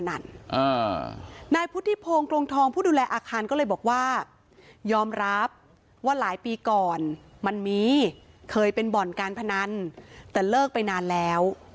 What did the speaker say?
อาคารก็เลยบอกว่ายอมรับว่าหลายปีก่อนมันมีเคยเป็นบ่อนการพนันแต่เลิกไปนานแล้ว